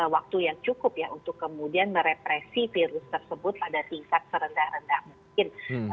waktu yang cukup ya untuk kemudian merepresi virus tersebut pada tingkat serendah rendah mungkin